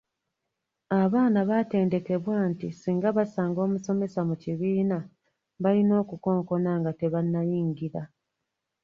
Abaana baatendekebwa nti singa basanga omusomesa mu kibiina, balina okukonkona nga tebannayingira.